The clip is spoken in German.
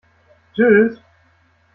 Tschüss!